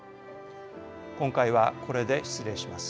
今回はこれで失礼します。